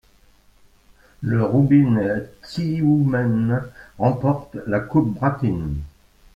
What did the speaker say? Le Roubine Tioumen remporte la Coupe Bratine.